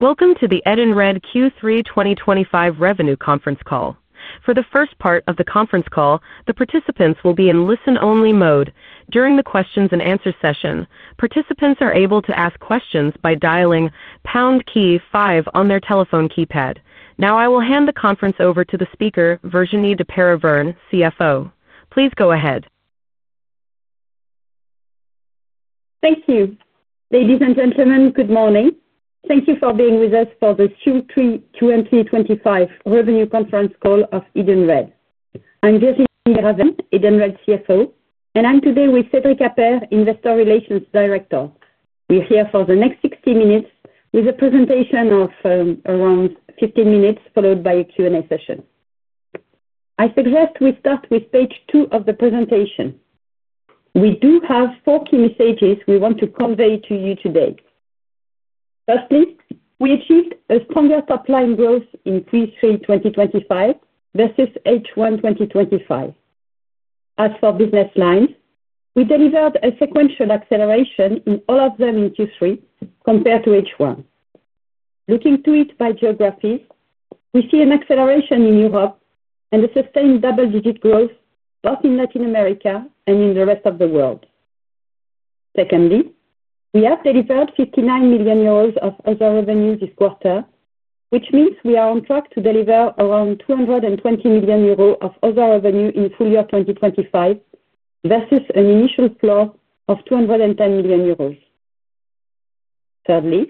Welcome to the Edenred Q3 2025 revenue conference call. For the first part of the conference call, the participants will be in listen-only mode. During the questions-and-answers session, participants are able to ask questions by dialing pound key five on their telephone keypad. Now, I will hand the conference over to the speaker, Virginie Duperat-Vergne, CFO. Please go ahead. Thank you. Ladies and gentlemen, good morning. Thank you for being with us for the Q3 2025 revenue conference call of Edenred. I'm Virginie Duperat-Vergne, Edenred CFO, and I'm today with Cédric Appert, Investor Relations Director. We're here for the next 60 minutes with a presentation of around 15 minutes, followed by a Q&A session. I suggest we start with page two of the presentation. We do have four key messages we want to convey to you today. Firstly, we achieved a stronger top-line growth in Q3 2025 versus H1 2025. As for business lines, we delivered a sequential acceleration in all of them in Q3 compared to H1. Looking to it by geography, we see an acceleration in Europe and a sustained double-digit growth, both in Latin America and in the rest of the world. Secondly, we have delivered 59 million euros of other revenue this quarter, which means we are on track to deliver around 220 million euros of other revenue in full year 2025 versus an initial clause of 210 million euros. Thirdly,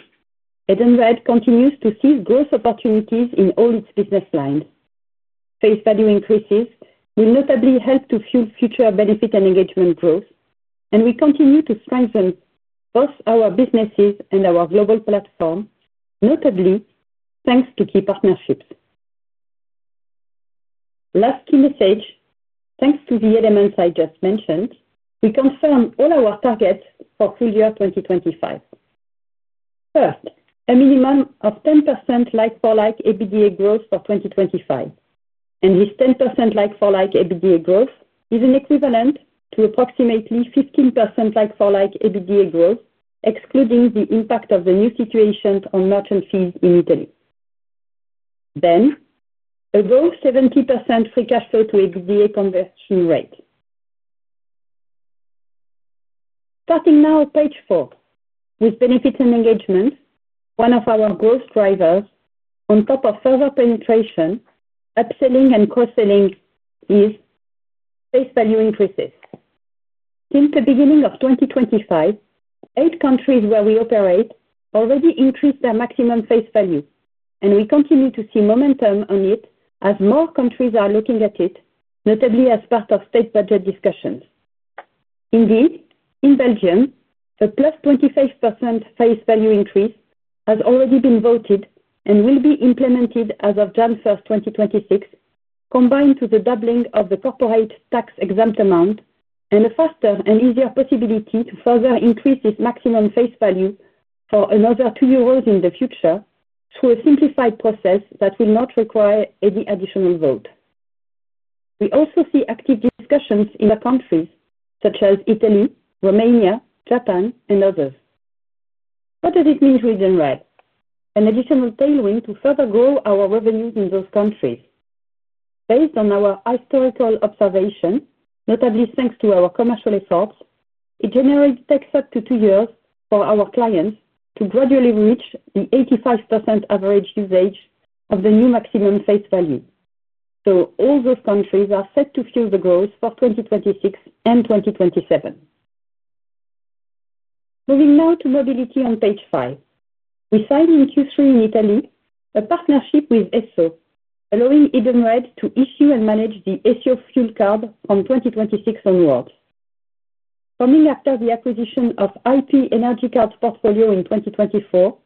Edenred continues to seize growth opportunities in all its business lines. Face value increases will notably help to fuel future Benefits & Engagement growth, and we continue to strengthen both our businesses and our global platform, notably, thanks to key partnerships. Last key message, thanks to the elements I just mentioned, we confirm all our targets for full year 2025. First, a minimum of 10% like-for-like EBITDA growth for 2025. This 10% like-for-like EBITDA growth is equivalent to approximately 15% like-for-like EBITDA growth, excluding the impact of the new situation on merchant fees in Italy. A growth of 70% free cash flow to EBITDA conversion rate. Starting now, page four, with Benefits & Engagement, one of our growth drivers on top of further penetration, upselling and cross-selling is face value increases. Since the beginning of 2025, eight countries where we operate already increased their maximum face value, and we continue to see momentum on it as more countries are looking at it, notably as part of state budget discussions. Indeed, in Belgium, a +25% face value increase has already been voted and will be implemented as of January 1, 2026, combined with the doubling of the corporate tax exempt amount and a faster and easier possibility to further increase this maximum face value for another 2 euros in the future through a simplified process that will not require any additional vote. We also see active discussions in countries such as Italy, Romania, Japan, and others. What does it mean to Edenred? An additional tailwind to further grow our revenues in those countries. Based on our historical observation, notably thanks to our commercial efforts, it takes up to two years for our clients to gradually reach the 85% average usage of the new maximum face value. All those countries are set to fuel the growth for 2026 and 2027. Moving now to Mobility on page five, we signed in Q3 in Italy a partnership with Esso, allowing Edenred to issue and manage the Esso fuel card from 2026 onwards. Coming after the acquisition of IP Energycard's portfolio in 2024,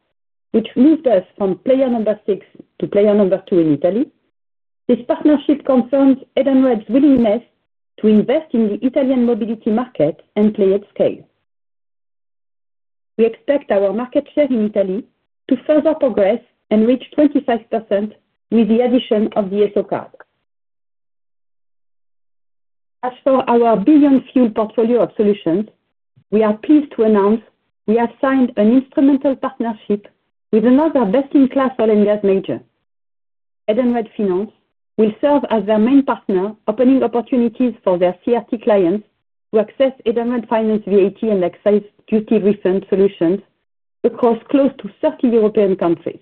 which moved us from player number six to player number two in Italy, this partnership confirms Edenred's willingness to invest in the Italian Mobility market and play at scale. We expect our market share in Italy to further progress and reach 25% with the addition of the Esso card. As for our Beyond Fuel portfolio of solutions, we are pleased to announce we have signed an instrumental partnership with another best-in-class oil and gas major. Edenred Finance will serve as their main partner, opening opportunities for their CRT clients to access Edenred Finance VAT and excise duty refund solutions across close to 30 European countries.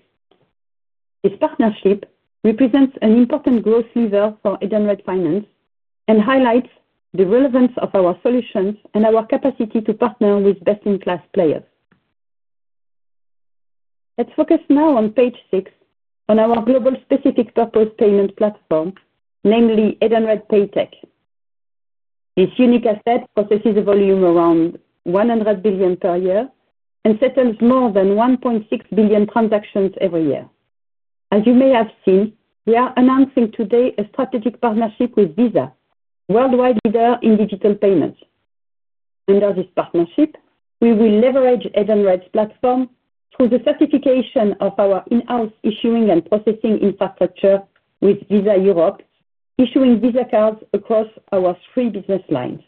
This partnership represents an important growth lever for Edenred Finance and highlights the relevance of our solutions and our capacity to partner with best-in-class players. Let's focus now on page six on our global specific purpose payment platform, namely Edenred Pay Tech. This unique asset processes a volume around 100 billion per year and settles more than 1.6 billion transactions every year. As you may have seen, we are announcing today a strategic partnership with Visa, a worldwide leader in digital payments. Under this partnership, we will leverage Edenred's platform through the certification of our in-house issuing and processing infrastructure with Visa Europe, issuing Visa cards across our three business lines.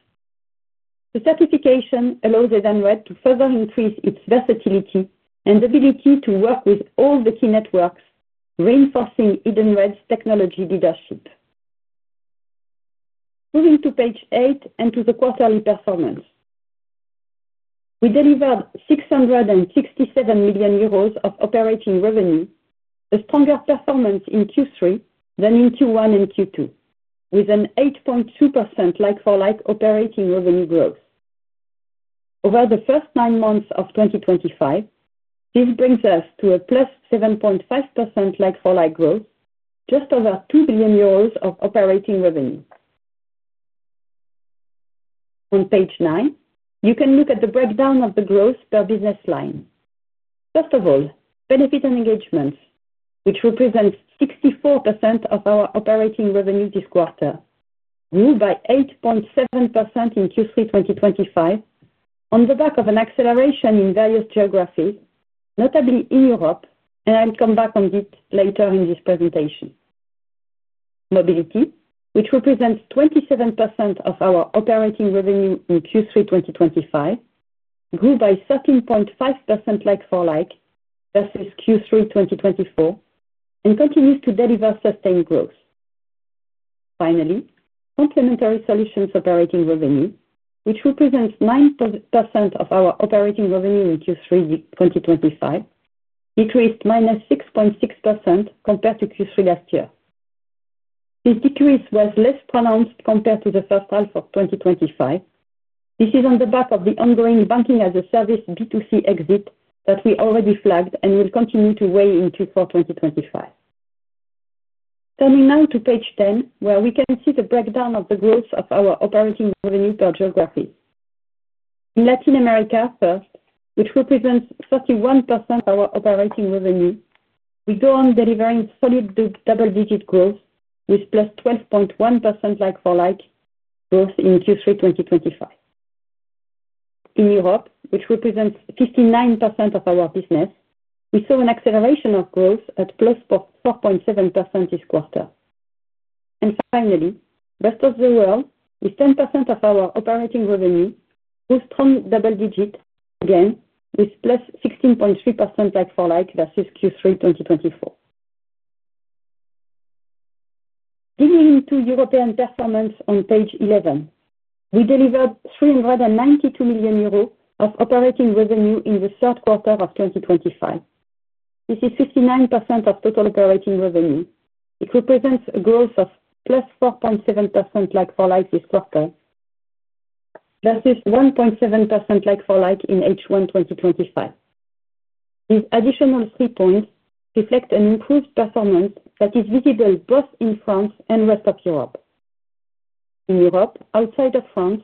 The certification allows Edenred to further increase its versatility and ability to work with all the key networks, reinforcing Edenred's technology leadership. Moving to page eight and to the quarterly performance, we delivered 667 million euros of operating revenue, a stronger performance in Q3 than in Q1 and Q2, with an 8.2% like-for-like operating revenue growth. Over the first nine months of 2025, this brings us to a +7.5% like-for-like growth, just over 2 billion euros of operating revenue. On page nine, you can look at the breakdown of the growth per business line. First of all, Benefits & Engagement, which represent 64% of our operating revenue this quarter, grew by 8.7% in Q3 2025 on the back of an acceleration in various geographies, notably in Europe. I'll come back on this later in this presentation. Mobility, which represents 27% of our operating revenue in Q3 2025, grew by 13.5% like-for-like versus Q3 2024 and continues to deliver sustained growth. Finally, Complementary Solutions operating revenue, which represents 9% of our operating revenue in Q3 2025, decreased -6.6% compared to Q3 last year. This decrease was less pronounced compared to the first half of 2025. This is on the back of the ongoing B2C banking-as-a-service exit that we already flagged and will continue to weigh in Q4 2025. Turning now to page 10, where we can see the breakdown of the growth of our operating revenue per geography. In Latin America first, which represents 31% of our operating revenue, we go on delivering solid double-digit growth with +12.1% like-for-like growth in Q3 2025. In Europe, which represents 59% of our business, we saw an acceleration of growth at +4.7% this quarter. Finally, the rest of the world, with 10% of our operating revenue, grew strong double-digit again with +16.3% like-for-like versus Q3 2024. Digging into European performance on page 11, we delivered 392 million euros of operating revenue in the third quarter of 2025. This is 59% of total operating revenue. It represents a growth of +4.7% like-for-like this quarter versus 1.7% like-for-like in H1 2025. These additional three points reflect an improved performance that is visible both in France and the rest of Europe. In Europe, outside of France,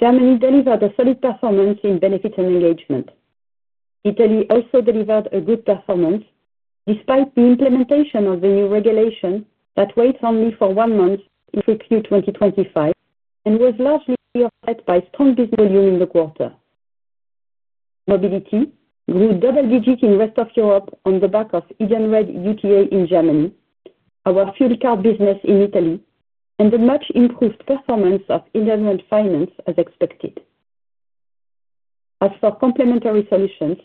Germany delivered a solid performance in Benefits & Engagement. Italy also delivered a good performance despite the implementation of the new regulation that waits only for one month through Q3 2025 and was largely re-offset by strong business volume in the quarter. Mobility grew double-digit in the rest of Europe on the back of Edenred UTA in Germany, our fuel card business in Italy, and the much-improved performance of Edenred Finance as expected. As for Complementary Solutions,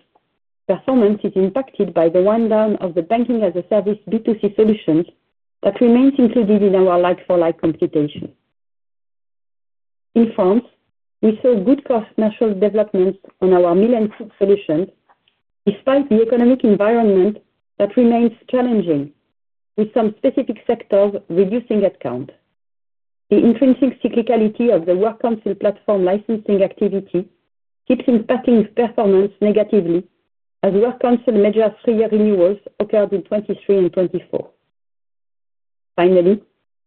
performance is impacted by the wind-down of the B2C banking-as-a-service solutions that remains included in our like-for-like computation. In France, we saw good commercial developments on our Mill & Cook solutions despite the economic environment that remains challenging, with some specific sectors reducing headcount. The intrinsic cyclicality of the WorkCouncil platform licensing activity keeps impacting performance negatively as WorkCouncil measures three-year renewals occurred in 2023 and 2024. Finally,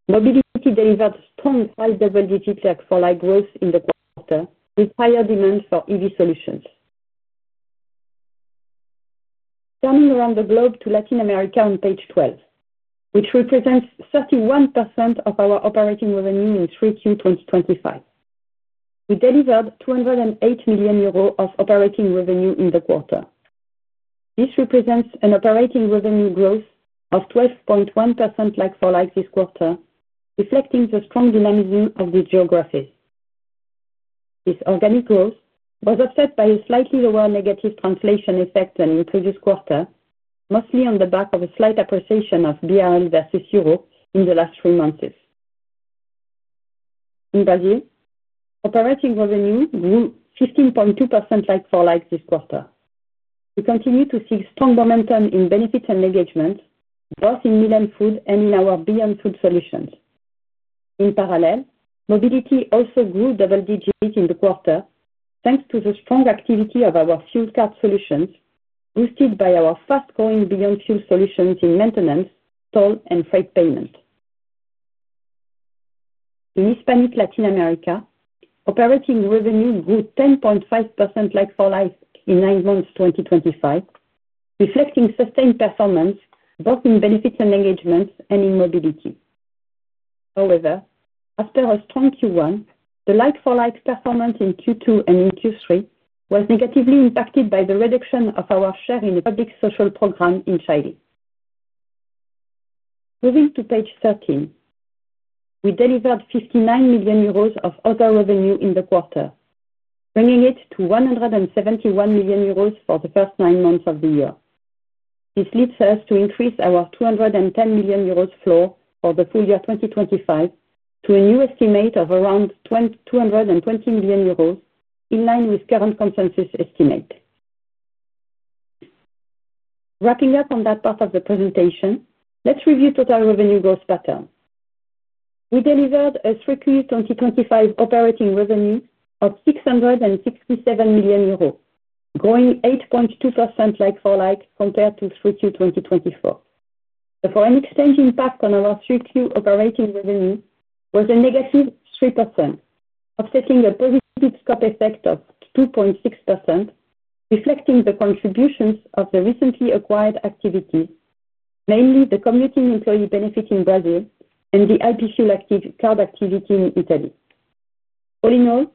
Mobility delivered strong double-digit like-for-like growth in the quarter with higher demand for EV solutions. Turning around the globe to Latin America on page 12, which represents 31% of our operating revenue in Q3 2025, we delivered 208 million euros of operating revenue in the quarter. This represents an operating revenue growth of 12.1% like-for-like this quarter, reflecting the strong dynamism of the geography. This organic growth was offset by a slightly lower negative translation effect than in the previous quarter, mostly on the back of a slight appreciation of BRL versus Europe in the last three months. In Brazil, operating revenue grew 15.2% like-for-like this quarter. We continue to see strong momentum in Benefits & Engagement, both in Mill & Cook and in our Beyond Food solutions. In parallel, Mobility also grew double-digit in the quarter thanks to the strong activity of our fuel card solutions, boosted by our fast-growing Beyond Fuel solutions in maintenance, toll, and freight payment. In Hispanic Latin America, operating revenue grew 10.5% like-for-like in nine months 2025, reflecting sustained performance both in Benefits & Engagement and in Mobility. However, as per a strong Q1, the like-for-like performance in Q2 and in Q3 was negatively impacted by the reduction of our share in the public social program in Chile. Moving to page 13, we delivered 59 million euros of other revenue in the quarter, bringing it to 171 million euros for the first nine months of the year. This leads us to increase our 210 million euros floor for the full year 2025 to a new estimate of around 220 million euros, in line with current consensus estimate. Wrapping up on that part of the presentation, let's review total revenue growth patterns. We delivered a Q3 2025 operating revenue of 667 million euros, growing 8.2% like-for-like compared to Q3 2024. The foreign exchange impact on our 3Q operating revenue was a -3%, offsetting a positive scope effect of 2.6%, reflecting the contributions of the recently acquired activities, mainly the commuting employee benefit in Brazil and the IP Energycard fuel card activity in Italy. All in all,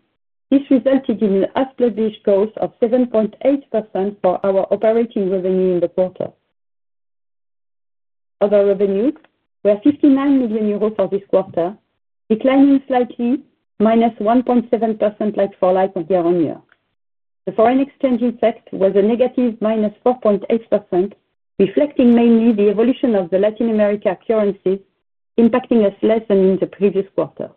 this resulted in an as-published growth of 7.8% for our operating revenue in the quarter. Other revenues were 59 million euros for this quarter, declining slightly, -1.7% like-for-like year on year. The foreign exchange effect was a -4.8%, reflecting mainly the evolution of the Latin America currencies, impacting us less than in the previous quarter.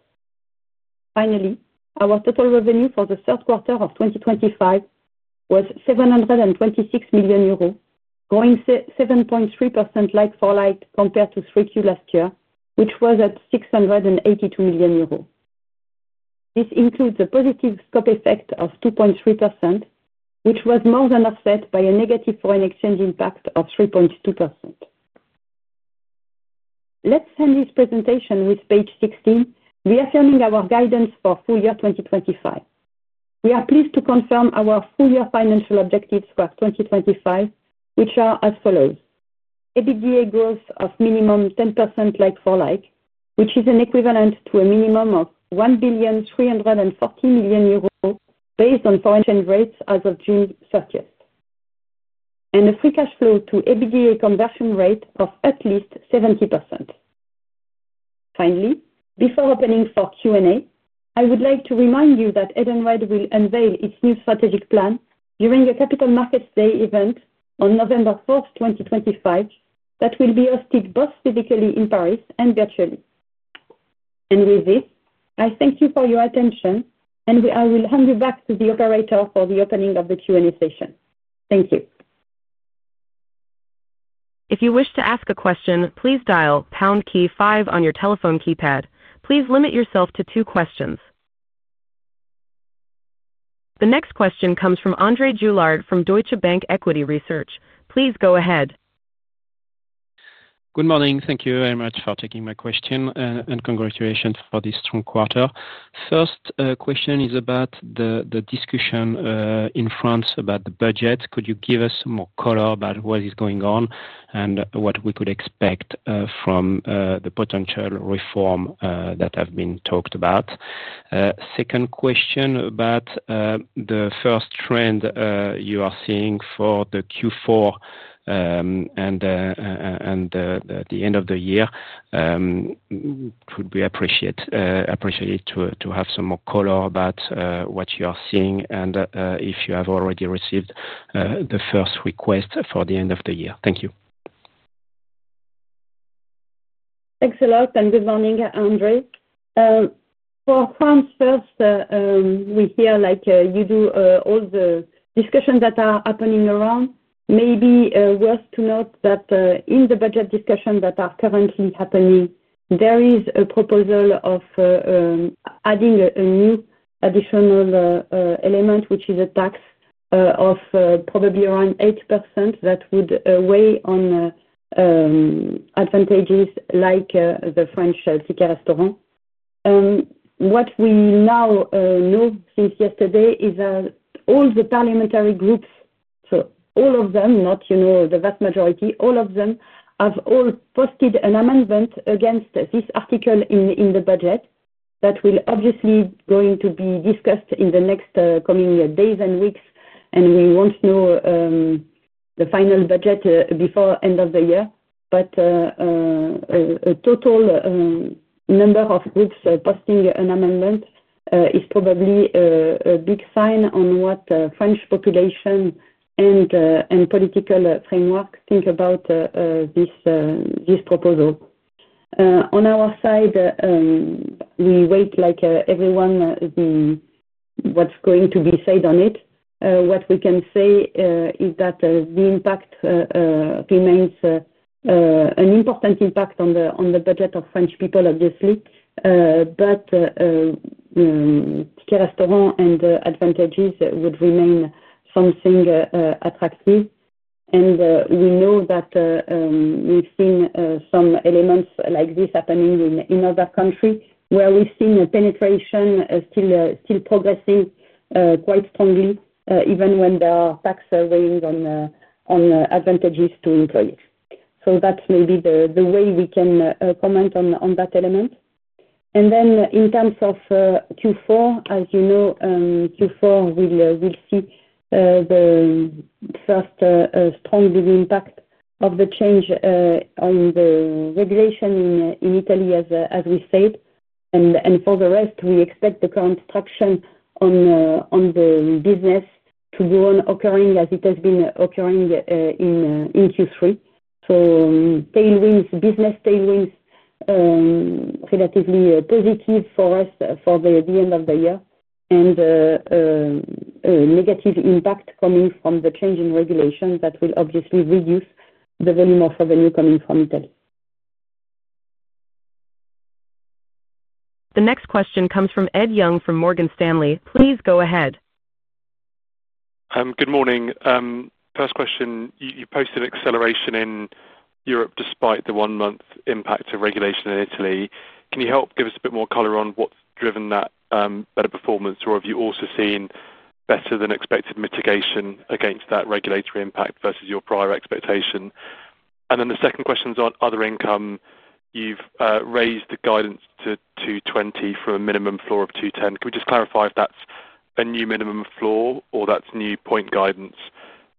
Finally, our total revenue for the third quarter of 2025 was 726 million euros, growing 7.3% like-for-like compared to 3Q last year, which was at 682 million euros. This includes a positive scope effect of 2.3%, which was more than offset by a negative foreign exchange impact of 3.2%. Let's end this presentation with page 16, reaffirming our guidance for full year 2025. We are pleased to confirm our full year financial objectives for 2025, which are as follows: EBITDA growth of minimum 10% like-for-like, which is equivalent to a minimum of 1,340 million euros based on foreign exchange rates as of June 30th, and a free cash flow to EBITDA conversion rate of at least 70%. Finally, before opening for Q&A, I would like to remind you that Edenred will unveil its new strategic plan during a Capital Markets Day event on November 4th, 2025, that will be hosted both physically in Paris and virtually. I thank you for your attention, and I will hand you back to the operator for the opening of the Q&A session. Thank you. If you wish to ask a question, please dial pound key five on your telephone keypad. Please limit yourself to two questions. The next question comes from Andre Juillard from Deutsche Bank Equity Research. Please go ahead. Good morning. Thank you very much for taking my question and congratulations for this strong quarter. First question is about the discussion in France about the budget. Could you give us more color about what is going on and what we could expect from the potential reform that have been talked about? Second question about the first trend you are seeing for the Q4 and the end of the year. We appreciate it to have some more color about what you are seeing and if you have already received the first request for the end of the year. Thank you. Thanks a lot and good morning, Andre. For France first, we hear like you do all the discussions that are happening around. Maybe worth to note that in the budget discussions that are currently happening, there is a proposal of adding a new additional element, which is a tax of probably around 8% that would weigh on advantages like the French Ticket Restaurant. What we now know since yesterday is that all the parliamentary groups, so all of them, not the vast majority, all of them have all posted an amendment against this article in the budget that will obviously be going to be discussed in the next coming days and weeks, and we won't know the final budget before the end of the year. A total number of groups posting an amendment is probably a big sign on what the French population and political framework think about this proposal. On our side, we wait like everyone what's going to be said on it. What we can say is that the impact remains an important impact on the budget of French people, obviously. Ticket Restaurant and the advantages would remain something attractive. We know that we've seen some elements like this happening in other countries where we've seen a penetration still progressing quite strongly, even when there are tax weighings on advantages to employees. That's maybe the way we can comment on that element. In terms of Q4, as you know, Q4 will see the first strong big impact of the change on the regulation in Italy, as we said. For the rest, we expect the current traction on the business to go on occurring as it has been occurring in Q3. Business tailwinds are relatively positive for us for the end of the year and a negative impact coming from the change in regulation that will obviously reduce the volume of revenue coming from Italy. The next question comes from Edward Young from Morgan Stanley. Please go ahead. Good morning. First question, you posted acceleration in Europe despite the one-month impact of regulation in Italy. Can you help give us a bit more color on what's driven that better performance, or have you also seen better than expected mitigation against that regulatory impact versus your prior expectation? The second question is on other income. You've raised the guidance to 220 million from a minimum floor of 210 million. Can we just clarify if that's a new minimum floor or that's new point guidance?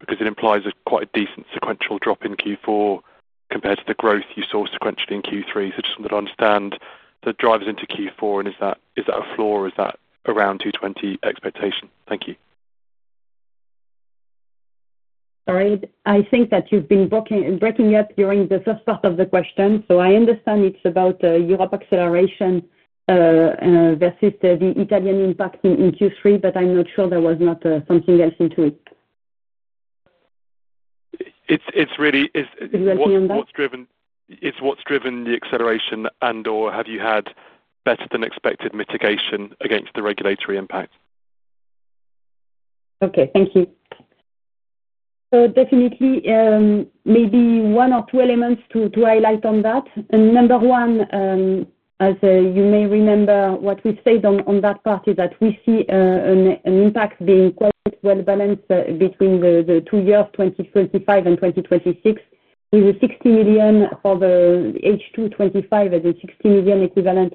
It implies quite a decent sequential drop in Q4 compared to the growth you saw sequentially in Q3. I just wanted to understand the drivers into Q4 and is that a floor or is that around 220 million expectation? Thank you. Sorry, I think that you've been breaking up during the first part of the question. I understand it's about Europe acceleration versus the Italian impact in Q3, but I'm not sure there was not something else into it. It's really. Could you elaborate on that? It's what's driven the acceleration, and/or have you had better than expected mitigation against the regulatory impact? Okay. Thank you. Definitely, maybe one or two elements to highlight on that. Number one, as you may remember, what we said on that part is that we see an impact being quite well balanced between the two years, 2025 and 2026, with the 60 million for the H2 2025 as a 60 million equivalent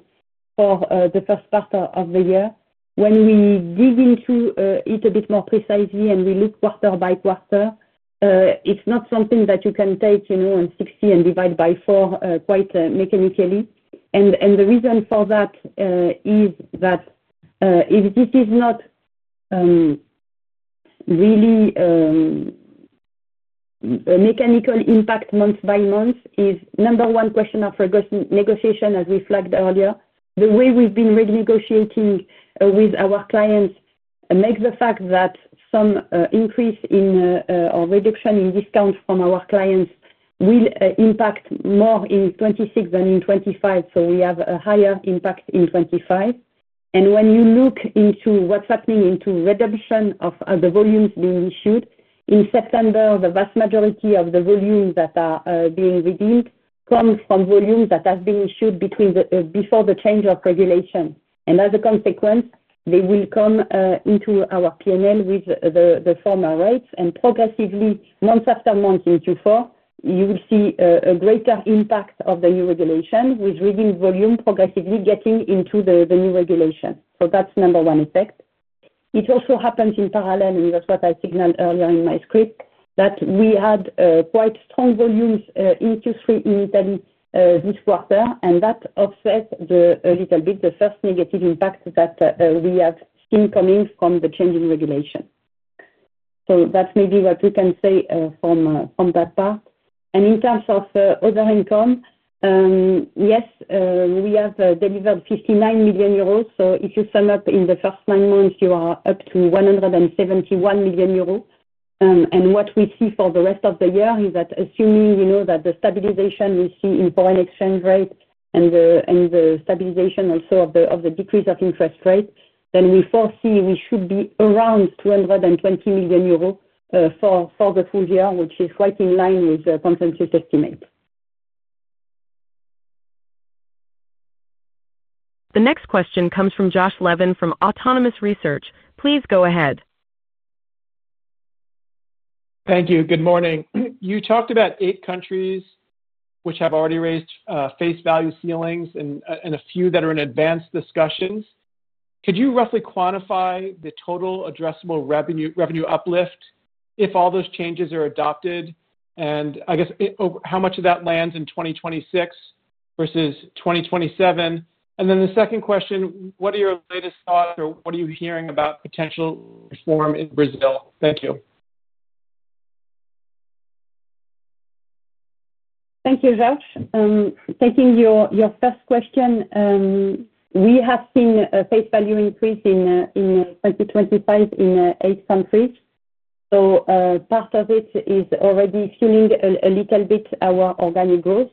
for the first quarter of the year. When we dig into it a bit more precisely and we look quarter by quarter, it's not something that you can take, you know, and 60 million and divide by four quite mechanically. The reason for that is that this is not really a mechanical impact month by month. Number one, question of negotiation, as we flagged earlier. The way we've been renegotiating with our clients makes the fact that some increase in or reduction in discount from our clients will impact more in 2026 than in 2025. We have a higher impact in 2025. When you look into what's happening into redemption of the volumes being issued, in September, the vast majority of the volumes that are being redeemed come from volumes that have been issued before the change of regulation. As a consequence, they will come into our P&L with the former rates. Progressively, month after month in Q4, you will see a greater impact of the new regulation with redeemed volume progressively getting into the new regulation. That's number one effect. It also happens in parallel, and that's what I signaled earlier in my script, that we had quite strong volumes in Q3 in Italy this quarter, and that offset a little bit the first negative impact that we have seen coming from the change in regulation. That's maybe what we can say from that part. In terms of other income, yes, we have delivered 59 million euros. If you sum up in the first nine months, you are up to 171 million euros. What we see for the rest of the year is that, assuming, you know, that the stabilization we see in foreign exchange rate and the stabilization also of the decrease of interest rate, then we foresee we should be around 220 million euros for the full year, which is right in line with the consensus estimate. The next question comes from Josh Levin from Autonomous. Please go ahead. Thank you. Good morning. You talked about eight countries which have already raised face value ceilings and a few that are in advanced discussions. Could you roughly quantify the total addressable revenue uplift if all those changes are adopted? I guess how much of that lands in 2026 versus 2027? The second question, what are your latest thoughts or what are you hearing about potential reform in Brazil? Thank you. Thank you, Josh. Taking your first question, we have seen a face value increase in 2025 in eight countries. Part of it is already fueling a little bit our organic growth.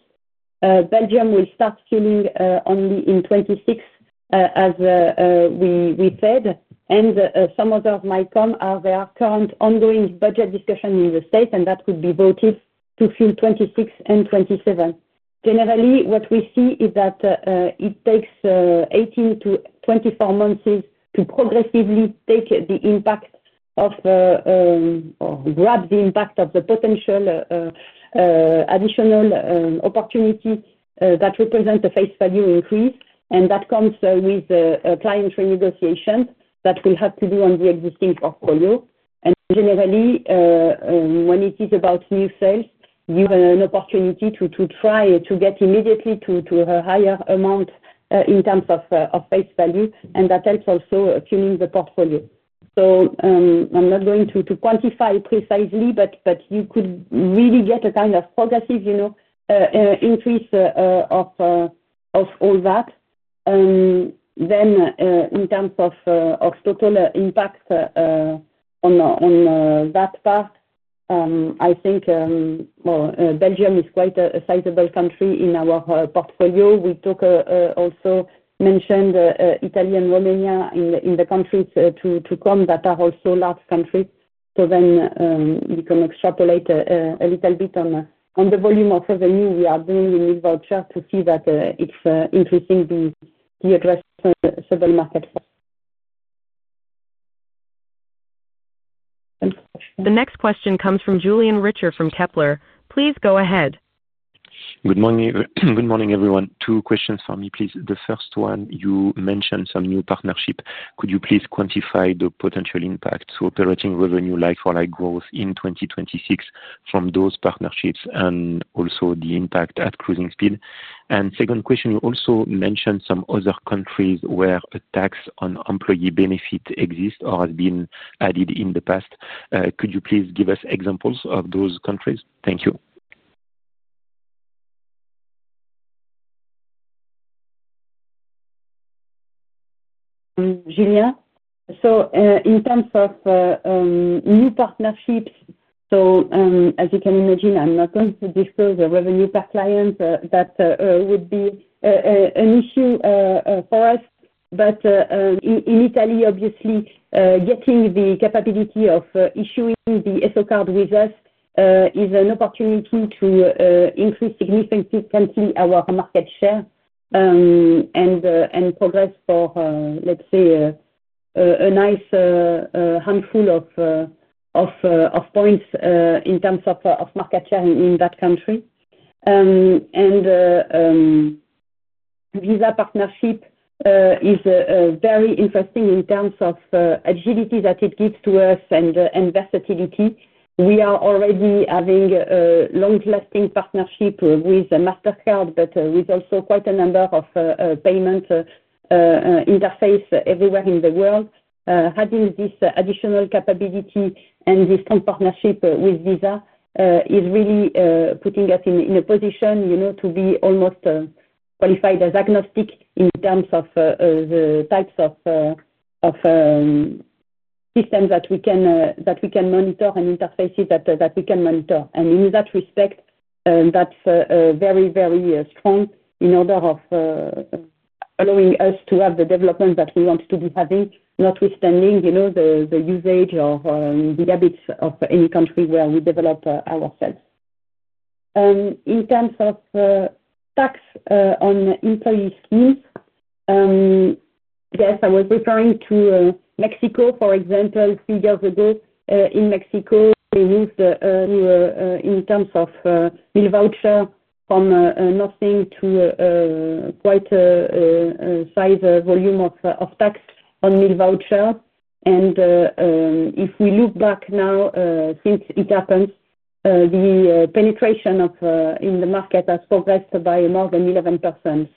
Belgium will start fueling only in 2026, as we said. Some others might come as there are current ongoing budget discussions in the States, and that could be voted to fuel 2026 and 2027. Generally, what we see is that it takes 18-24 months to progressively take the impact of or grab the impact of the potential additional opportunity that represents a face value increase. That comes with client renegotiations that we will have to do on the existing portfolio. Generally, when it is about new sales, you have an opportunity to try to get immediately to a higher amount in terms of face value, and that helps also fueling the portfolio. I'm not going to quantify precisely, but you could really get a kind of progressive increase of all that. In terms of total impact on that part, I think Belgium is quite a sizable country in our portfolio. We also mentioned Italy and Romania in the countries to come that are also large countries. You can extrapolate a little bit on the volume of revenue we are doing in this voucher to see that it's increasing the addressable market force. The next question comes from Julien Richer from Kepler Cheuvreux. Please go ahead. Good morning, everyone. Two questions for me, please. The first one, you mentioned some new partnerships. Could you please quantify the potential impact to operating revenue like-for-like growth in 2026 from those partnerships and also the impact at cruising speed? The second question, you also mentioned some other countries where a tax on employee benefits exists or has been added in the past. Could you please give us examples of those countries? Thank you. Julien. In terms of new partnerships, as you can imagine, I'm not going to disclose the revenue per client. That would be an issue for us. In Italy, obviously, getting the capability of issuing the Essocard with us is an opportunity to increase significantly our market share and progress for, let's say, a nice handful of points in terms of market share in that country. The Visa partnership is very interesting in terms of agility that it gives to us and versatility. We are already having a long-lasting partnership with Mastercard, but with also quite a number of payment interfaces everywhere in the world. Having this additional capability and this strong partnership with Visa is really putting us in a position to be almost qualified as agnostic in terms of the types of systems that we can monitor and interfaces that we can monitor. In that respect, that's very, very strong in order of allowing us to have the development that we want to be having, notwithstanding the usage or the habits of any country where we develop ourselves. In terms of tax on employee schemes, yes, I was referring to Mexico, for example. A few years ago, in Mexico, they moved in terms of meal voucher from nothing to quite a size volume of tax on meal voucher. If we look back now, since it happened, the penetration in the market has progressed by more than 11%.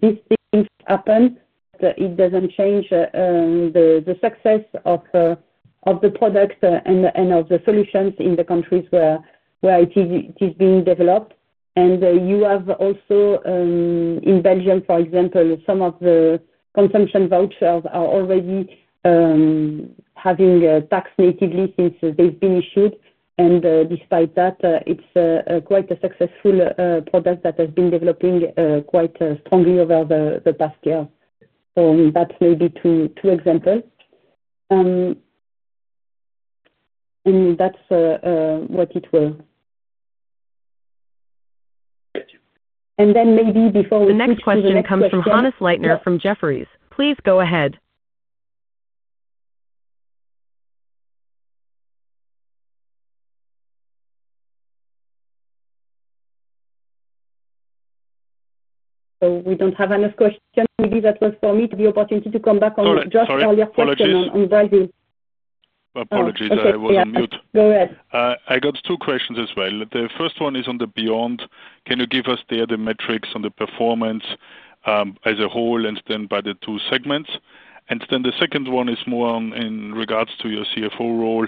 This thing happened, but it doesn't change the success of the product and of the solutions in the countries where it is being developed. You have also, in Belgium, for example, some of the consumption vouchers are already having tax natively since they've been issued. Despite that, it's quite a successful product that has been developing quite strongly over the past year. That's maybe two examples. That's what it was. Thank you. Maybe before we switch questions. Comes from Hannes Leitner from Jefferies. Please go ahead. We don't have any questions. Maybe that was for me the opportunity to come back on Josh's earlier question on Belgium. Oh, thank you. Okay, yeah. Go ahead. I got two questions as well. The first one is on the beyond. Can you give us there the metrics on the performance as a whole and then by the two segments? The second one is more in regards to your CFO role.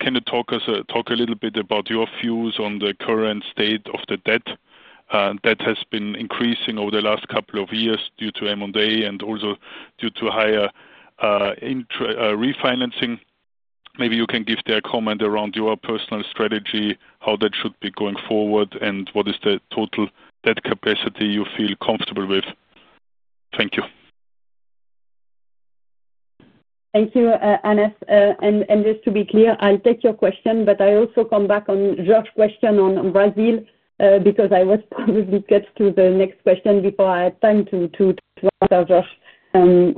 Can you talk us a little bit about your views on the current state of the debt? Debt has been increasing over the last couple of years due to M&A and also due to higher refinancing. Maybe you can give their comment around your personal strategy, how that should be going forward, and what is the total debt capacity you feel comfortable with? Thank you. Thank you, Hannes. Just to be clear, I'll take your question, but I'll also come back on Josh's question on Brazil because I was probably sketched to the next question before I had time to answer Josh. Maybe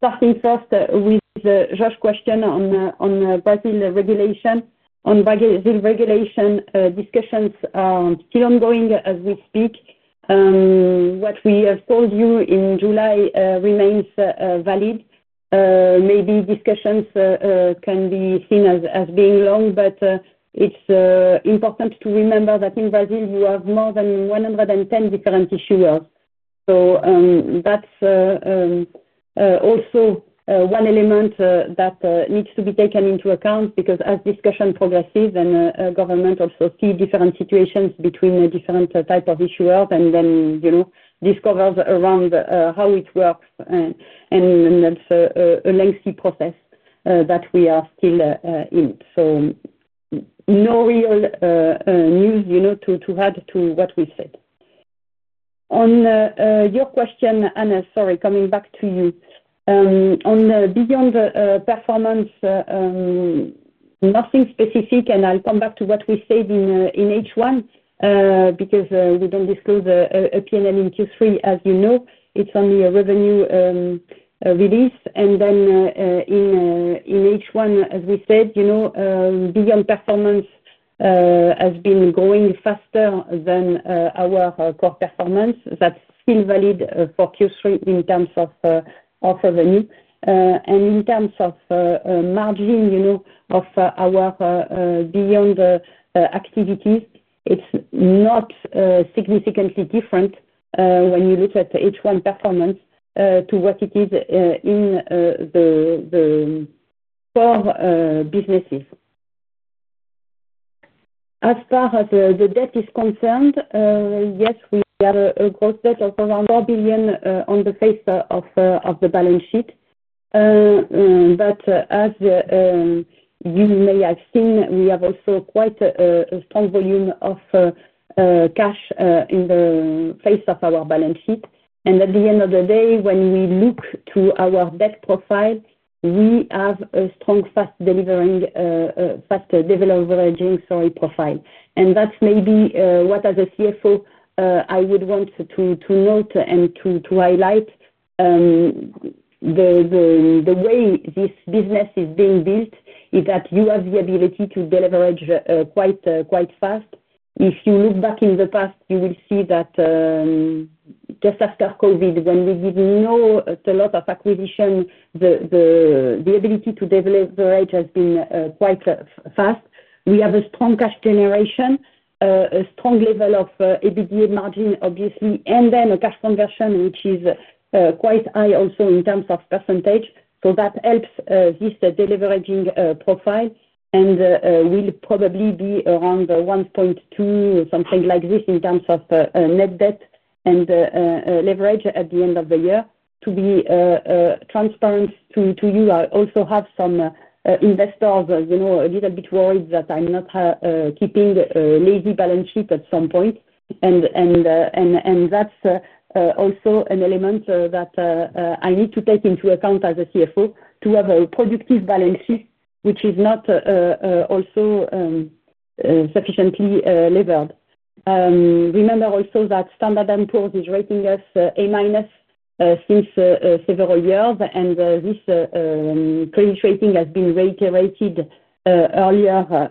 starting first with Josh's question on Brazil regulation. On Brazil regulation, discussions are still ongoing as we speak. What we have told you in July remains valid. Maybe discussions can be seen as being long, but it's important to remember that in Brazil, you have more than 110 different issuers. That's also one element that needs to be taken into account because as discussion progresses, the government also sees different situations between different types of issuers and then discovers around how it works. That's a lengthy process that we are still in. No real news to add to what we said. On your question, Hannes, coming back to you. On the beyond performance, nothing specific. I'll come back to what we said in H1 because we don't disclose a P&L in Q3, as you know. It's only a revenue release. In H1, as we said, you know beyond performance has been growing faster than our core performance. That's still valid for Q3 in terms of revenue. In terms of margin, you know of our beyond activities, it's not significantly different when you look at H1 performance to what it is in the core businesses. As far as the debt is concerned, yes, we have a gross debt of around 4 billion on the face of the balance sheet. As you may have seen, we have also quite a strong volume of cash in the face of our balance sheet. At the end of the day, when we look to our debt profile, we have a strong, fast deleveraging profile. That's maybe what, as a CFO, I would want to note and to highlight. The way this business is being built is that you have the ability to deleverage quite fast. If you look back in the past, you will see that just after COVID, when we did not do a lot of acquisitions, the ability to deleverage has been quite fast. We have a strong cash generation, a strong level of EBITDA margin, obviously, and then a cash conversion, which is quite high also in terms of percentage. That helps this deleveraging profile. We'll probably be around 1.2, something like this, in terms of net debt and leverage at the end of the year. To be transparent to you, I also have some investors a little bit worried that I'm not keeping a lazy balance sheet at some point. That is also an element that I need to take into account as a CFO to have a productive balance sheet, which is not also sufficiently levered. Remember also that Standard & Poor's is rating us A minus since several years. This credit rating has been reiterated earlier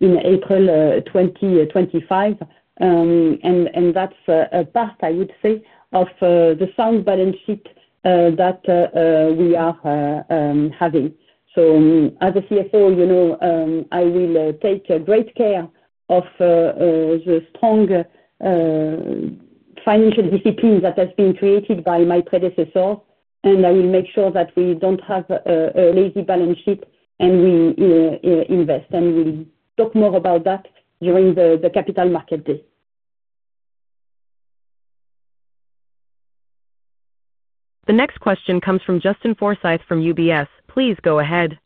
in April 2024. That is a part, I would say, of the sound balance sheet that we are having. As a CFO, you know I will take great care of the strong financial discipline that has been created by my predecessor. I will make sure that we don't have a lazy balance sheet and we invest. We will talk more about that during the Capital Markets Day. The next question comes from Justin Thomas Forsythe from UBS Investment Bank. Please go ahead.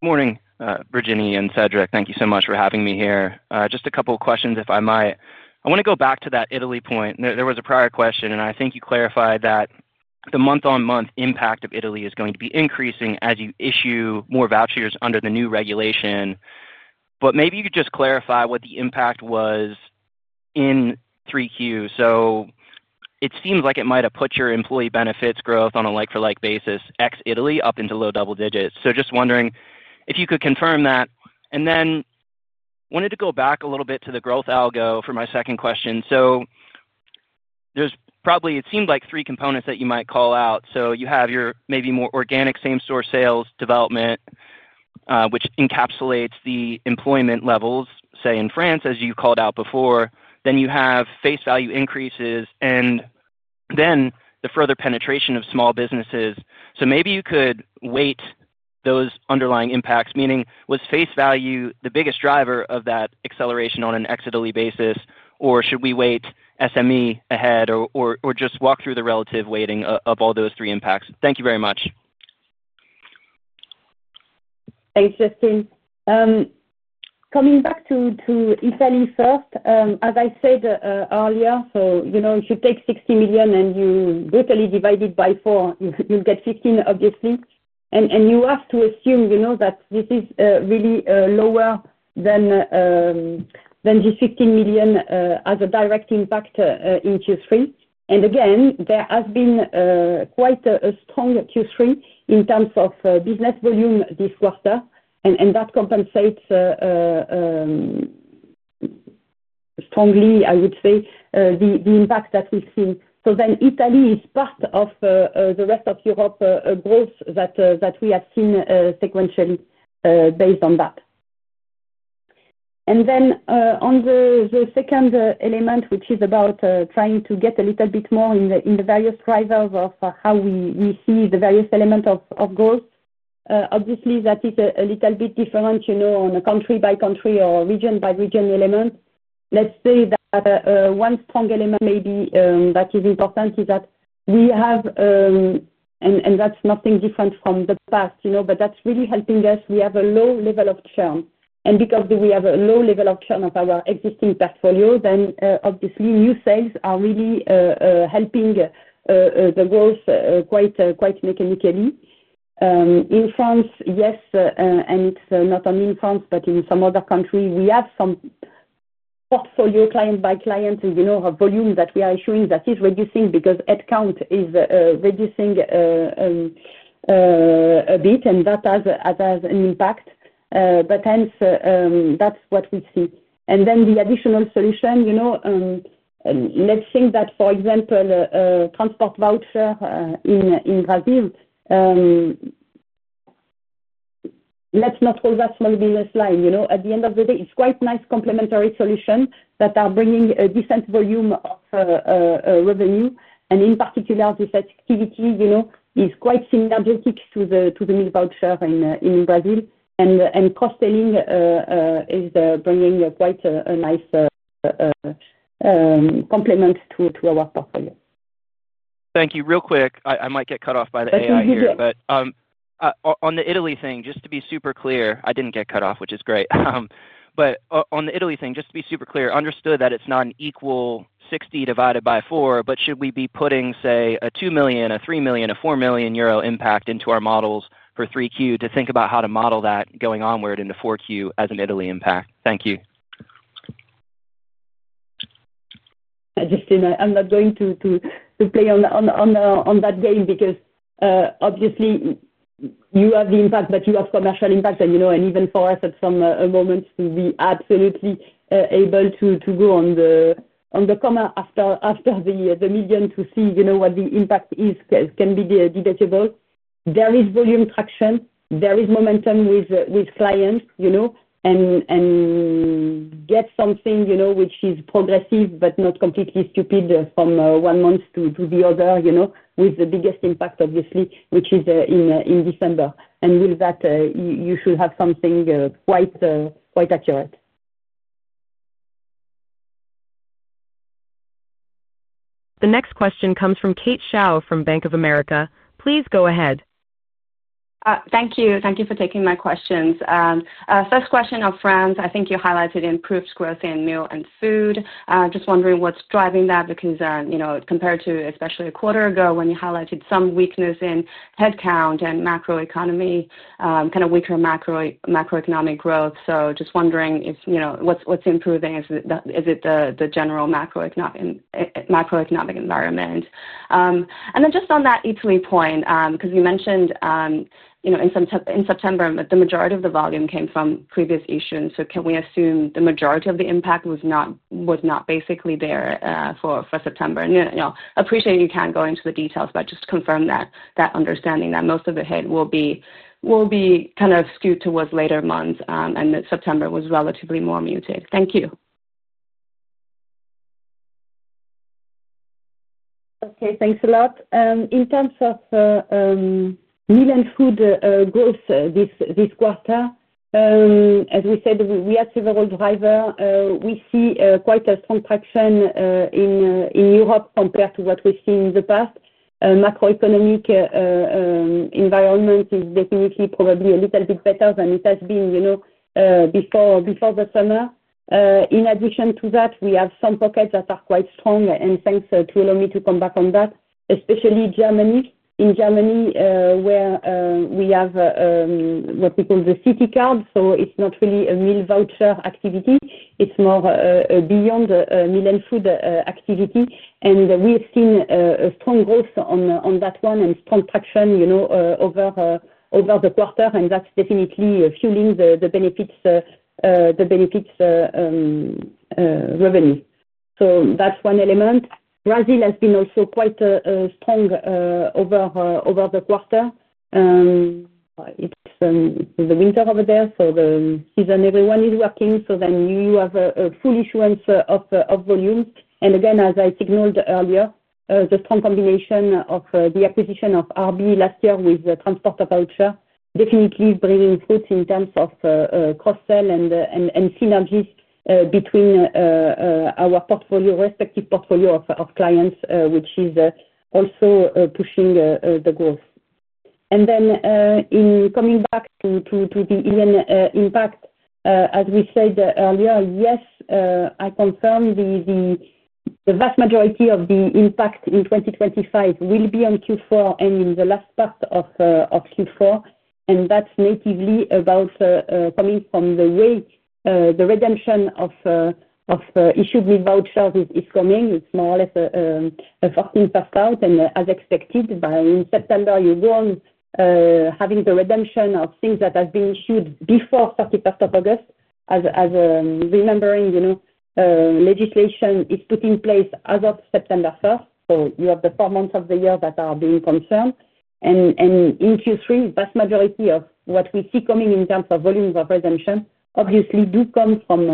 Morning, Virginie and Cédric. Thank you so much for having me here. Just a couple of questions, if I might. I want to go back to that Italy point. There was a prior question, and I think you clarified that the month-on-month impact of Italy is going to be increasing as you issue more vouchers under the new regulation. Could you just clarify what the impact was in 3Q? It seems like it might have put your employee benefits growth on a like-for-like basis ex-Italy up into low double digits. Just wondering if you could confirm that. I wanted to go back a little bit to the growth algo for my second question. There are probably, it seemed like, three components that you might call out. You have your maybe more organic same-store sales development, which encapsulates the employment levels, say, in France, as you called out before. You have face value increases and then the further penetration of small businesses. Could you weight those underlying impacts, meaning was face value the biggest driver of that acceleration on an ex-Italy basis, or should we weight SME ahead, or just walk through the relative weighting of all those three impacts? Thank you very much. Thanks, Justin. Coming back to Italy first, as I said earlier, if you take 60 million and you totally divide it by four, you'll get 15 million, obviously. You have to assume that this is really lower than the 15 million as a direct impact in Q3. There has been quite a strong Q3 in terms of business volume this quarter. That compensates strongly, I would say, the impact that we've seen. Italy is part of the rest of Europe growth that we have seen sequentially based on that. On the second element, which is about trying to get a little bit more in the various drivers of how we see the various elements of growth, obviously, that is a little bit different on a country by country or region by region element. Let's say that one strong element maybe that is important is that we have, and that's nothing different from the past, but that's really helping us. We have a low level of churn. Because we have a low level of churn of our existing portfolio, obviously new sales are really helping the growth quite mechanically. In France, yes, and it's not only in France, but in some other countries, we have some portfolio client by client volume that we are issuing that is reducing because headcount is reducing a bit, and that has an impact. That's what we see. The additional solution, for example, transport voucher in Brazil, let's not call that small business line. At the end of the day, it's quite nice Complementary Solutions that are bringing a decent volume of revenue. In particular, this activity is quite synergistic to the meal voucher in Brazil. Cost-selling is bringing quite a nice complement to our portfolio. Thank you. Real quick, I might get cut off by the end of that. You did. On the Italy thing, just to be super clear, I didn't get cut off, which is great. On the Italy thing, just to be super clear, understood that it's not an equal 60 divided by 4, but should we be putting, say, a 2 million, a 3 million, a 4 million euro impact into our models for 3Q to think about how to model that going onward into 4Q as an Italy impact? Thank you. Justin, I'm not going to play on that game because obviously you have the impact, but you have commercial impact. You know, and even for us at some moments to be absolutely able to go on the comma after the million to see what the impact is can be debatable. There is volume traction. There is momentum with clients. You know, and get something which is progressive but not completely stupid from one month to the other, with the biggest impact, obviously, which is in December. With that, you should have something quite accurate. The next question comes from Kate Xiao from Bank of America. Please go ahead. Thank you. Thank you for taking my questions. First question on France, I think you highlighted improved growth in meal and food. Just wondering what's driving that because compared to especially a quarter ago when you highlighted some weakness in headcount and macroeconomy, kind of weaker macroeconomic growth. Just wondering if what's improving, is it the general macroeconomic environment? Just on that Italy point, because you mentioned in September, the majority of the volume came from previous issuers. Can we assume the majority of the impact was not basically there for September? Appreciate you can't go into the details, but just confirm that understanding that most of the hit will be kind of skewed towards later months and that September was relatively more muted. Thank you. Okay. Thanks a lot. In terms of meal and food growth this quarter, as we said, we had several drivers. We see quite a strong traction in Europe compared to what we've seen in the past. The macroeconomic environment is definitely probably a little bit better than it has been before the summer. In addition to that, we have some pockets that are quite strong. Thanks to allow me to come back on that, especially Germany. In Germany, where we have what we call the city card, it's not really a meal voucher activity. It's more beyond meal and food activity. We have seen a strong growth on that one and strong traction over the quarter. That's definitely fueling the benefits revenue. That's one element. Brazil has been also quite strong over the quarter. It's the winter over there, so the season everyone is working. You have a full issuance of volume. As I signaled earlier, the strong combination of the acquisition of RB last year with the transporter voucher definitely is bringing fruits in terms of cross-sell and synergies between our respective portfolio of clients, which is also pushing the growth. In coming back to the impact, as we said earlier, yes, I confirm the vast majority of the impact in 2025 will be on Q4 and in the last part of Q4. That's natively about coming from the way the redemption of issued meal vouchers is coming. It's more or less a 14th percentile. As expected, by September, you won't be having the redemption of things that have been issued before August 31. As remembering, legislation is put in place as of September 1. You have the four months of the year that are being confirmed. In Q3, the vast majority of what we see coming in terms of volume of redemption obviously do come from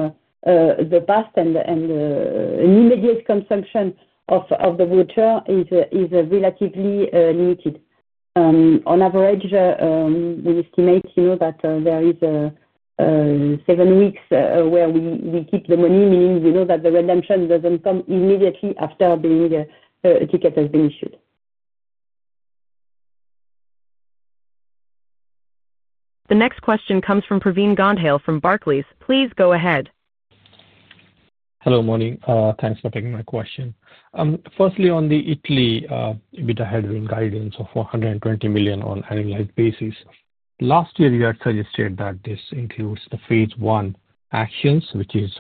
the past, and an immediate consumption of the voucher is relatively limited. On average, we estimate that there are seven weeks where we keep the money, meaning that the redemption doesn't come immediately after a ticket has been issued. The next question comes from Pravin Gondhale from Barclays Bank PLC. Please go ahead. Hello, morning. Thanks for taking my question. Firstly, on Italy, we had written guidance of 420 million on an annualized basis. Last year, you had suggested that this includes the phase one actions, which is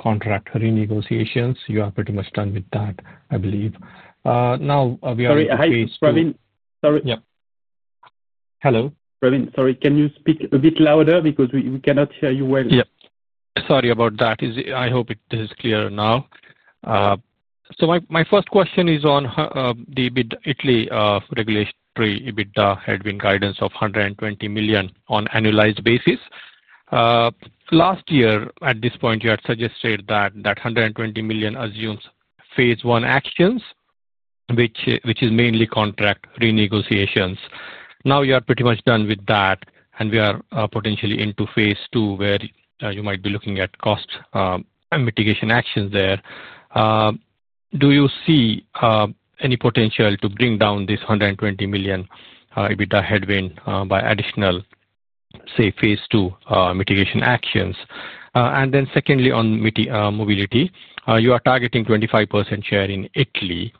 contract renegotiations. You are pretty much done with that, I believe. Now we are in phase. Sorry, Pravin. Sorry. Yeah. Hello. Pravin, sorry. Can you speak a bit louder because we cannot hear you well? Sorry about that. I hope it is clearer now. My first question is on the Italy regulatory EBITDA headwind guidance of 120 million on an annualized basis. Last year, at this point, you had suggested that 120 million assumes phase one actions, which is mainly contract renegotiations. Now you are pretty much done with that, and we are potentially into phase two where you might be looking at cost mitigation actions there. Do you see any potential to bring down this 120 million EBITDA headwind by additional, say, phase two mitigation actions? Secondly, on Mobility, you are targeting 25% share in Italy.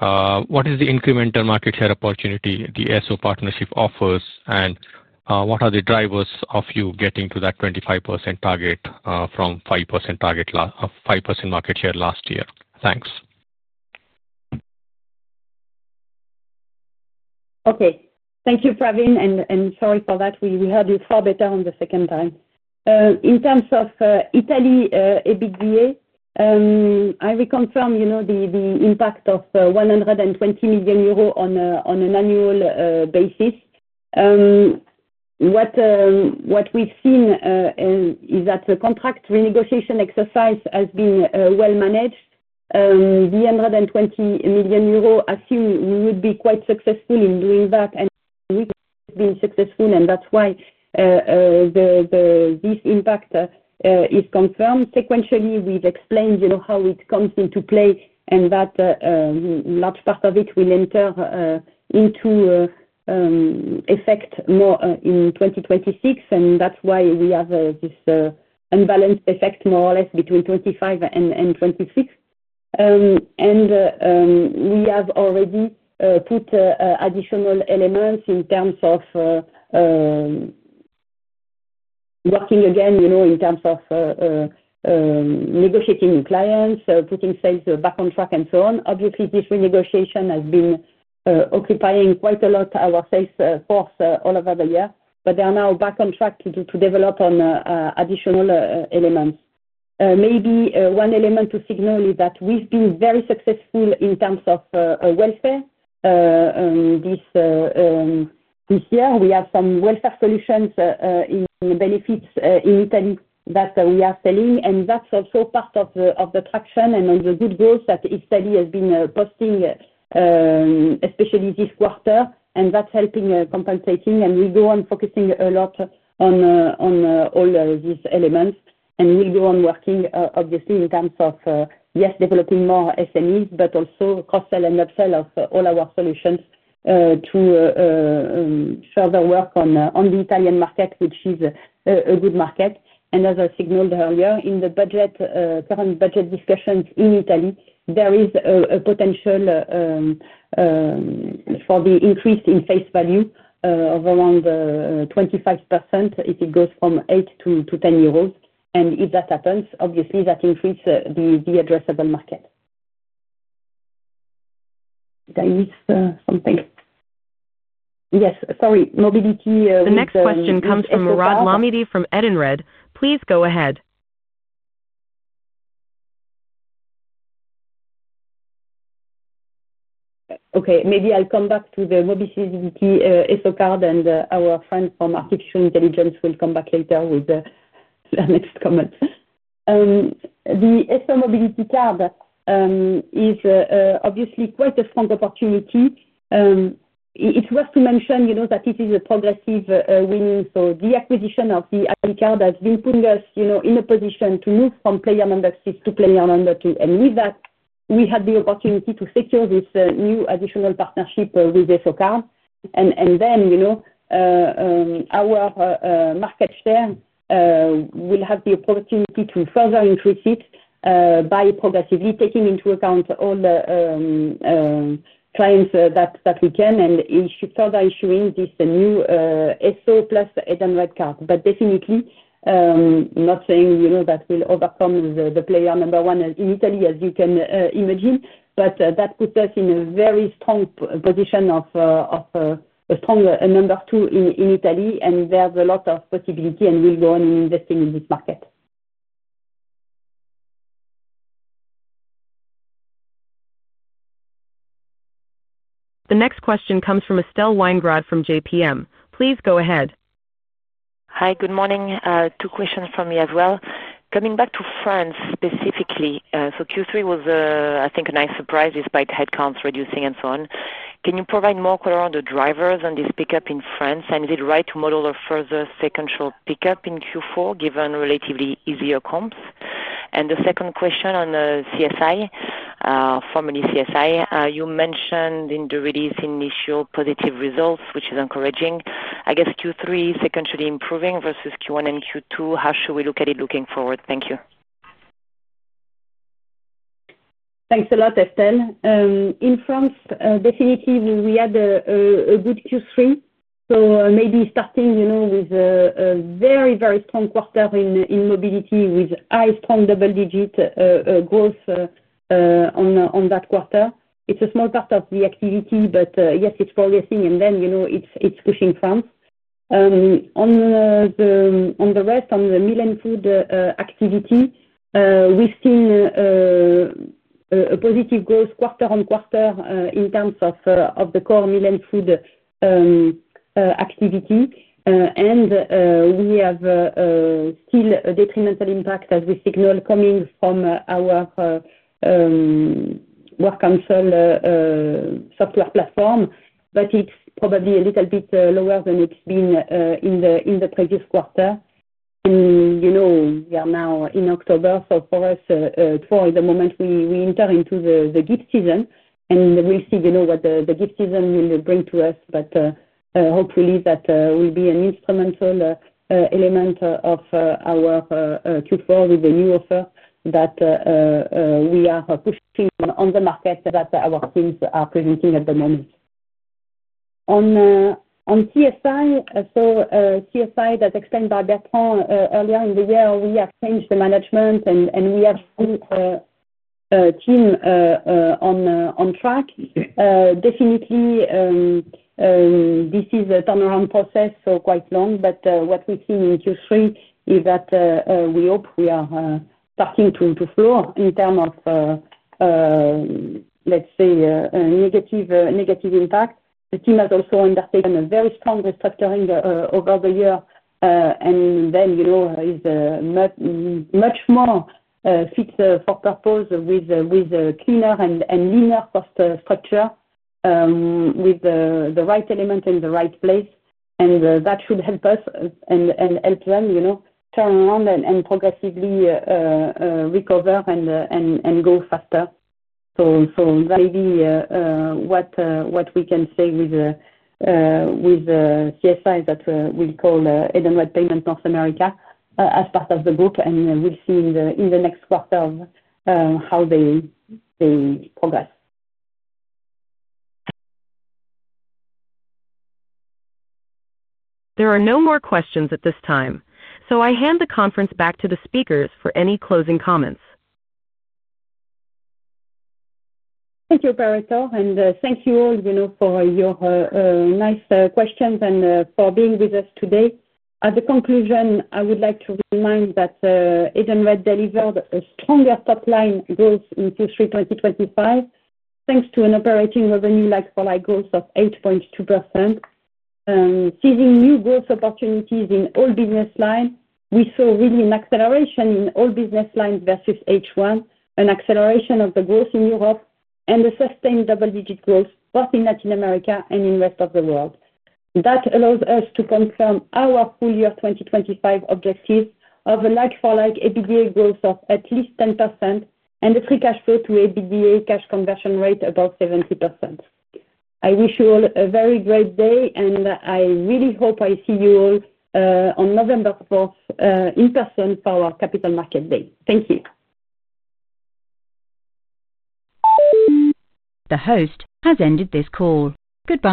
What is the incremental market share opportunity the Esso partnership offers, and what are the drivers of you getting to that 25% target from the 5% market share last year? Thanks. Okay. Thank you, Pravin, and sorry for that. We heard you far better on the second time. In terms of Italy EBITDA, I reconfirm the impact of 120 million euro on an annual basis. What we've seen is that the contract renegotiation exercise has been well managed. The 120 million euro assumed we would be quite successful in doing that, and we have been successful. That's why this impact is confirmed. Sequentially, we've explained how it comes into play and that a large part of it will enter into effect more in 2026. That's why we have this unbalanced effect more or less between 2025 and 2026. We have already put additional elements in terms of working again, you know, in terms of negotiating new clients, putting sales back on track, and so on. Obviously, this renegotiation has been occupying quite a lot of our sales force all over the year, but they are now back on track to develop on additional elements. Maybe one element to signal is that we've been very successful in terms of welfare. This year, we have some welfare solutions in Benefits & Engagement in Italy that we are selling. That's also part of the traction and the good growth that Italy has been posting, especially this quarter. That's helping compensating. We go on focusing a lot on all these elements. We'll go on working, obviously, in terms of, yes, developing more SMEs, but also cross-sell and upsell of all our solutions to further work on the Italian market, which is a good market. As I signaled earlier, in the current budget discussions in Italy, there is a potential for the increase in face value of around 25% if it goes from 8 to 10 euros. If that happens, obviously, that increases the addressable market. That is something. Yes. Sorry. The next question comes from Mourad Lahmidi from Edenred. Please go ahead. Okay. Maybe I'll come back to the Mobility Esso card, and our friend from Artificial Intelligence will come back later with the next comment. The Esso Mobility card is obviously quite a strong opportunity. It's worth to mention that it is a progressive win. The acquisition of the card has been putting us in a position to move from player number six to player number two. With that, we had the opportunity to secure this new additional partnership with Esso card. Our market share will have the opportunity to further increase by progressively taking into account all the clients that we can and further issuing this new Esso plus Edenred card. I'm not saying that we'll overcome the player number one in Italy, as you can imagine. That puts us in a very strong position of a strong number two in Italy. There is a lot of possibility, and we'll go on in investing in this market. The next question comes from Estelle Weingrod from J.P. Morgan. Please go ahead. Hi. Good morning. Two questions from me as well. Coming back to France specifically, Q3 was, I think, a nice surprise despite headcounts reducing and so on. Can you provide more color on the drivers on this pickup in France? Is it right to model a further sequential pickup in Q4 given relatively easier comps? The second question on Edenred Payment North America, formerly CSI, you mentioned in the release initial positive results, which is encouraging. I guess Q3 sequentially improving versus Q1 and Q2. How should we look at it looking forward? Thank you. Thanks a lot, Estelle. In France, definitely, we had a good Q3. Maybe starting with a very, very strong quarter in Mobility with high, strong double-digit growth on that quarter. It's a small part of the activity, but yes, it's progressing, and it's pushing France. On the rest, on the meal and food activity, we've seen a positive growth quarter on quarter in terms of the core meal and food activity. We have still a detrimental impact, as we signaled, coming from our work console software platform, but it's probably a little bit lower than it's been in the previous quarter. You know we are now in October. For us, at the moment, we enter into the gift season, and we'll see what the gift season will bring to us. Hopefully, that will be an instrumental element of our Q4 with the new offer that we are pushing on the market that our teams are presenting at the moment. On CSI, so CSI that Bertrand explained earlier in the year, we have changed the management and we have put a team on track. Definitely, this is a turnaround process, quite long. What we've seen in Q3 is that we hope we are starting to flow in terms of, let's say, a negative impact. The team has also undertaken a very strong restructuring over the year, and then it's much more fit for purpose with a cleaner and leaner cost structure with the right element in the right place. That should help us and help them turn around and progressively recover and go faster. That may be what we can say with CSI that we'll call Edenred Payment North America as part of the group, and we'll see in the next quarter how they progress. There are no more questions at this time. I hand the conference back to the speakers for any closing comments. Thank you, operator. Thank you all for your nice questions and for being with us today. At the conclusion, I would like to remind that Edenred delivered a stronger top line growth in Q3 2025 thanks to an operating revenue like-for-like growth of 8.2%. Seizing new growth opportunities in all business lines, we saw really an acceleration in all business lines versus H1, an acceleration of the growth in Europe, and a sustained double-digit growth both in Latin America and in the rest of the world. That allows us to confirm our full year 2025 objectives of a like-for-like EBITDA growth of at least 10% and a free cash flow to EBITDA cash conversion rate above 70%. I wish you all a very great day, and I really hope I see you all on November 4th in person for our Capital Markets Day. Thank you. The host has ended this call. Goodbye.